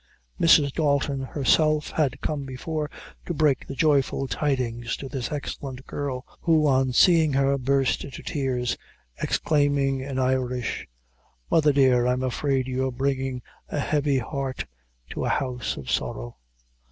Mrs. Dalton herself had come before, to break the joyful tidings to this excellent girl, who, on seeing her, burst into tears, exclaiming in Irish "Mother, dear, I'm afraid you're bringing a heavy heart to a house of sorrow!"